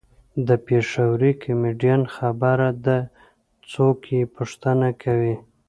د پېښوري کمیډین خبره ده څوک یې پوښتنه کوي.